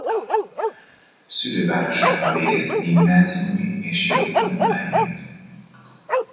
Szülővárosában végezte gimnáziumi és jogi tanulmányait.